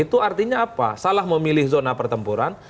itu artinya apa salah memilih zona pertempuran